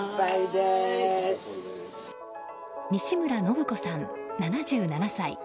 西村信子さん、７７歳。